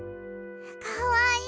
かわいい。